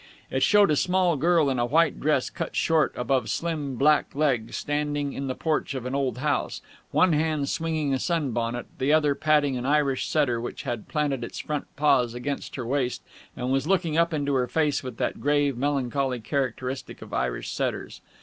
It showed a small girl in a white dress cut short above slim, black legs, standing in the porch of an old house, one hand swinging a sun bonnet, the other patting an Irish terrier which had planted its front paws against her waist and was looking up into her face with that grave melancholy characteristic of Irish terriers.